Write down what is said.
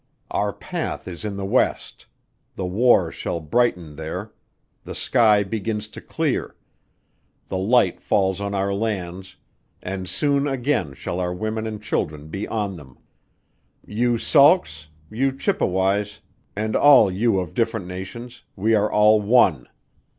Our path is in the west the war shall brighten there the sky begins to clear the light falls on our lands, and soon again shall our women and children be on them. You Saulks you Chippeways, and all you of different nations, we are all one.